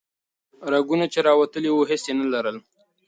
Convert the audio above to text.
رګونه چې راوتلي وو هیڅ یې نه لرل.